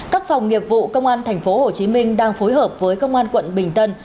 các phòng nghiệp vụ công an tp hcm đang phối hợp với công an quận bình tân